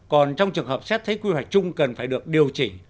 còn trong trường hợp xét thấy quy hoạch chung cần phải được điều chỉnh